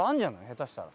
下手したら。